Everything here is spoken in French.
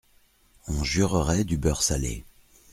On jurerait du beurre salé …